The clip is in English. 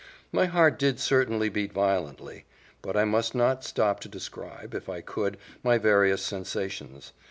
My heart did certainly beat violently; but I must not stop to describe, if I could, my various sensations.